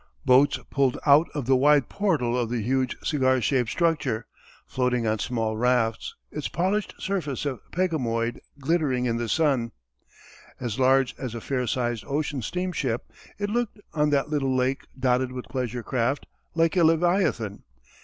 Boats pulled out of the wide portal the huge cigar shaped structure, floating on small rafts, its polished surface of pegamoid glittering in the sun. As large as a fair sized ocean steamship, it looked, on that little lake dotted with pleasure craft, like a leviathan.